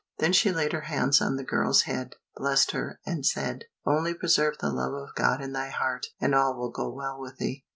Then she laid her hands on the girl's head, blessed her, and said, "Only preserve the love of God in thy heart, and all will go well with thee."